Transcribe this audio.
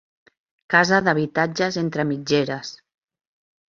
Casa d'habitatges entre mitgeres.